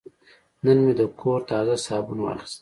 نن مې د کور تازه صابون واخیست.